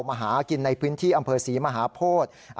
มาหากินในพื้นที่อำเภอศรีมหาโพธิ